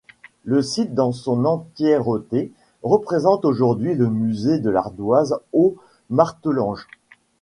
Le site dans son entièreté représente aujourd'hui le Musée de l'Ardoise Haut-Martelange.